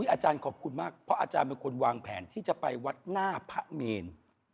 อาจารย์ขอบคุณมากเพราะอาจารย์เป็นคนวางแผนที่จะไปวัดหน้าพระเมน